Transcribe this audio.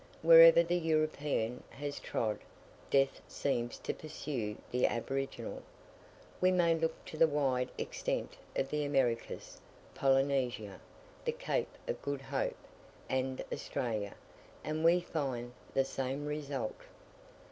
Wherever the European has trod, death seems to pursue the aboriginal. We may look to the wide extent of the Americas, Polynesia, the Cape of Good Hope, and Australia, and we find the same result.